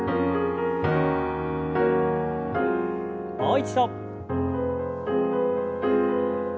もう一度。